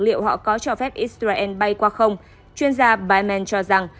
liệu họ có cho phép israel bay qua không chuyên gia beamen cho rằng